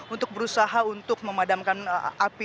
untuk berusaha untuk memadamkan api